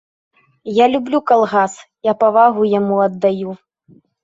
Я люблю калгас, я павагу яму аддаю.